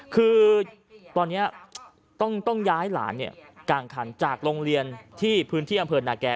คือตอนนี้ต้องย้ายหลานกลางคันจากโรงเรียนที่พื้นที่อำเภอนาแก่